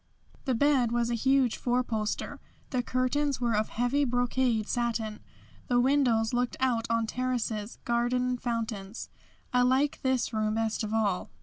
The bed was a huge four poster. The curtains were of heavy brocaded satin. The windows looked out on terraces, garden and fountains. I like this room best of all.